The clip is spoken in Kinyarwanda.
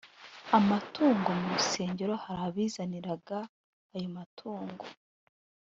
amatungo mu rusengero hari abizaniraga ayo matungo